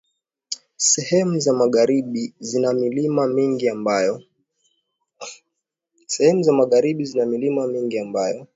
Sehemu za magharibi zina milima mingi ambayo